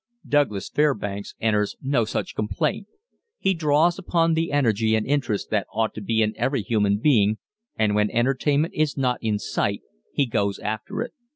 Douglas Fairbanks enters no such complaint. He draws upon the energy and interest that ought to be in every human being, and when entertainment is not in sight, he goes after it.